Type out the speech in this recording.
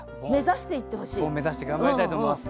ボン目指して頑張りたいと思います。